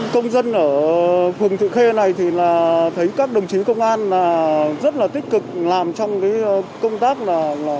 công dân ở phường thị khuê này thì là thấy các đồng chí công an là rất là tích cực làm trong cái công tác là